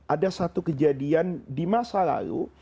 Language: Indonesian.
ada satu kejadian di masa lalu